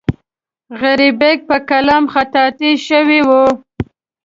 غریبک په قلم خطاطي شوې وه.